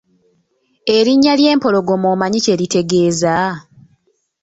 Erinnya ly’empologoma omanyi kye litegeeza?